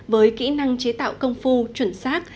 với kỹ năng chế tạo công phu chuẩn xác